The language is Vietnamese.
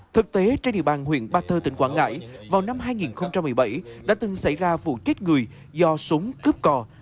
thực tế trên địa bàn huyện ba thơ tỉnh quảng ngãi vào năm hai nghìn một mươi bảy đã từng xảy ra vụ chết người do súng cướp cò